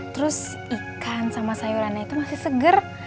terus ikan sama sayurannya itu masih seger